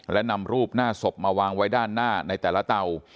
และนำรูปหน้าศพมาวางไว้ด้านหน้าในแต่ละเตา